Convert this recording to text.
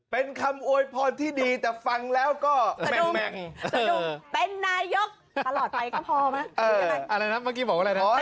เป็นคำอวยพรที่ที่ดีแต่ฟังแล้วก็